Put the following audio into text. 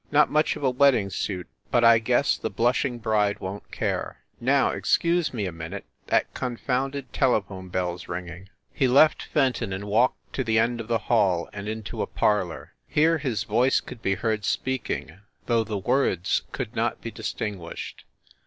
Not much of a wedding suit, but I guess the blushing bride won t care. Now, excuse me a minute; that confounded telephone bell s ringing." He left Fenton and walked to the end of the hall, and into a parlor. Here his voice could be heard speaking, though the words could not be distin guished.